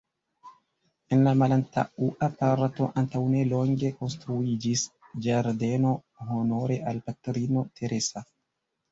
En la malantaŭa parto antaŭnelonge konstruiĝis ĝardeno honore al Patrino Teresa.